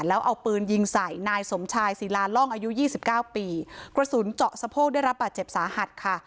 แล้วเอาปืนยิงใส่นายสมชายศิลาล่องอายุยี่สิบเก้าปีกระสุนเจาะสะโพกได้รับบาดเจ็บสาหัสค่ะ